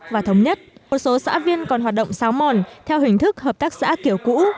một số xã viên còn hoạt động sáu mòn theo hình thức hợp tác xã kiểu cũ